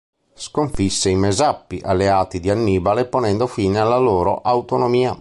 Sconfisse i Messapi, alleati di Annibale, ponendo fine alla loro autonomia.